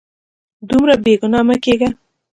دومره بې ګناه مه کیږه